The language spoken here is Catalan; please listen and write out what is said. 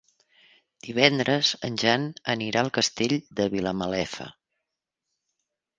Divendres en Jan anirà al Castell de Vilamalefa.